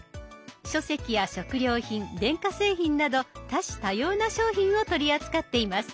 書籍や食料品電化製品など多種多様な商品を取り扱っています。